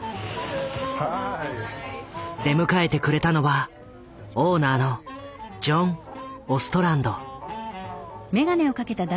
出迎えてくれたのはオーナーのジョン・オストランド。